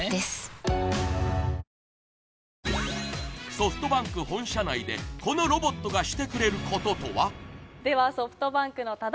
ソフトバンク本社内でこのロボットがしてくれることとは？